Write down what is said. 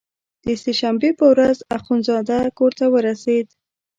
د سې شنبې په ورځ اخندزاده کورته ورسېد.